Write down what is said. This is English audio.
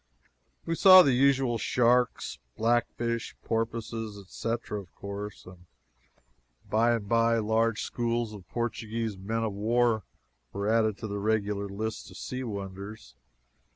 We saw the usual sharks, blackfish, porpoises, &c., of course, and by and by large schools of Portuguese men of war were added to the regular list of sea wonders.